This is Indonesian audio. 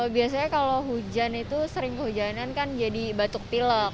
biasanya kalau hujan itu sering kehujanan kan jadi batuk pilek